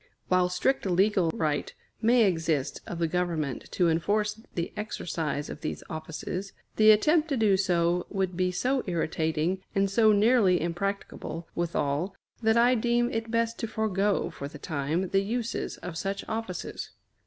While strict legal right may exist of the Government to enforce the exercise of these offices, the attempt to do so would be so irritating, and so nearly impracticable withal, that I deem it best to forego, for the time, the uses of such offices.